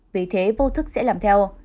vì thế vô thức sẽ làm theo